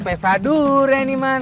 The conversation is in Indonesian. pesta durian ini man